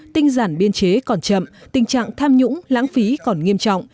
tinh giản biên chế còn chậm tình trạng tham nhũng lãng phí còn nghiêm trọng